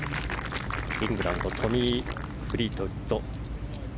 イングランドトミー・フリートウッド。